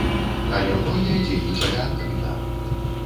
Але многія дзейнічалі адкрыта.